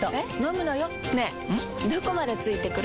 どこまで付いてくる？